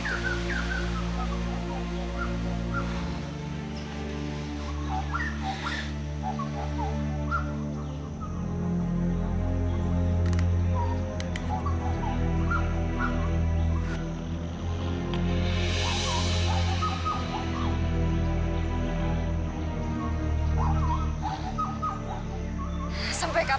jangan lupa lorsque berlangganan